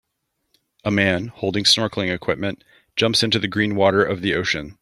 A man, holding snorkeling equipment, jumps into the green water of the ocean.